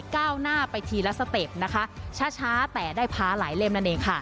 ก้าวหน้าไปทีละสเต็ปนะคะช้าแต่ได้พาหลายเล่มนั่นเองค่ะ